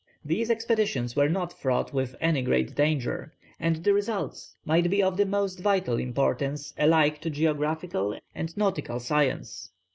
These expeditions were not fraught with any great danger, and the results might be of the most vital importance alike to geographical and nautical science.